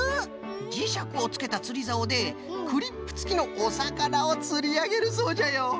じしゃくをつけたつりざおでクリップつきのおさかなをつりあげるそうじゃよ。